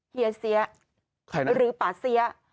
เฮียเสียหรือป่าเสีย